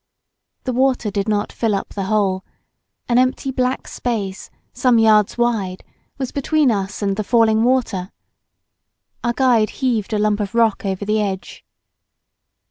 The water did not fill up the hole, an empty black space, some yards wide, was between us and the falling water. Our guide heaved a lump of rock over the edge.